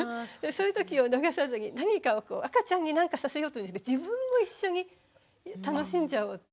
そういうときを逃さずに何かを赤ちゃんに何かさせようじゃなくて自分も一緒に楽しんじゃおう。